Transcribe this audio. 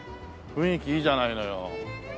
雰囲気いいじゃないのよ。